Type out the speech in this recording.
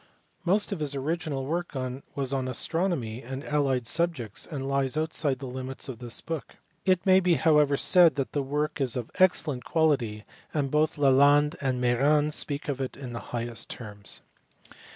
Most of his original work was on astronomy and allied subjects, and lies outside the limits of this book ; it may be however said that the work is of excellent quality, and both Lalande and Mairan speak of it in the highest terms.